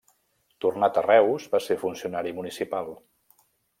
Tornat a Reus, va ser funcionari municipal.